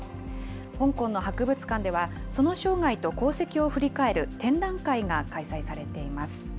香港の博物館では、その生涯と功績を振り返る展覧会が開催されています。